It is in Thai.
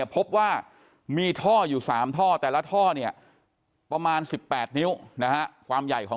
พบว่า